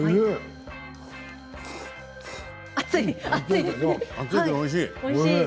熱いからおいしい。